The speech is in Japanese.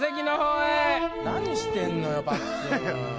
何してんのよパックン。